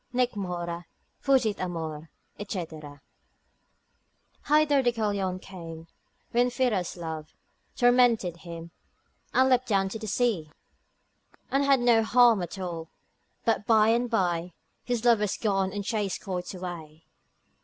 Nec mora, fugit amor, &c.——— Hither Deucalion came, when Pyrrha's love Tormented him, and leapt down to the sea, And had no harm at all, but by and by His love was gone and chased quite away.